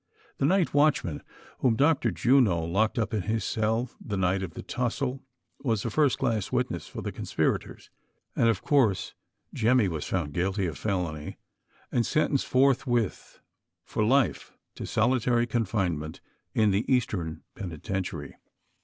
The night watchman, whom Dr. Juno locked up in his cell tlie night of the tussle, was a first class witness for the conspirators, and of course, Jemmy was found guilty of felony, and sentenced forthwith, for life to solitary confinement in the eastern penitentiary.